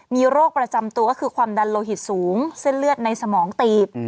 มีโรคประจำตัวก็คือความดันโลหิตสูงเส้นเลือดในสมองตีบ